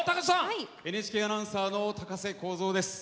ＮＨＫアナウンサーの高瀬耕造です。